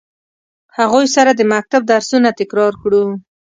هغوی سره د مکتب درسونه تکرار کړو.